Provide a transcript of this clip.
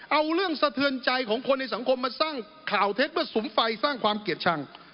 เอาเรื่องสะเทือนใจของคนในสังคมมาสร้างข่าวเท็จเพื่อสุมไฟสร้างความเกลียดชัง